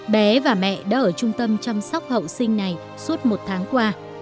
bé và mẹ đã ở trung tâm chăm sóc hậu sinh này suốt một tháng qua